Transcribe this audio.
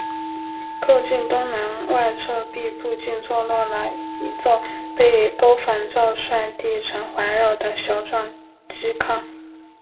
靠近东南外侧壁附近坐落了一座被高反照率地层环绕的小撞击坑。